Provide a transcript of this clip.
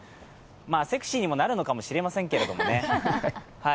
セクシーにもなるのかもしれないですけどね。